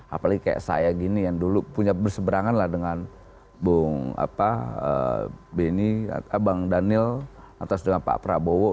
apalagi kayak saya gini yang dulu punya berseberangan lah dengan bung beni bang daniel atas dengan pak prabowo